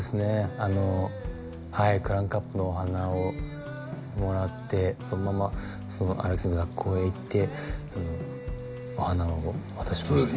あのはいクランクアップのお花をもらってそのまま荒木先生の学校へ行ってお花を渡しました